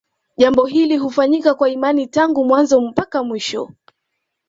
Jambo hili hufanyika kwa imani tangu mwanzo mpaka mwisho